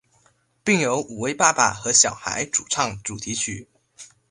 并由五位爸爸和小孩主唱主题曲。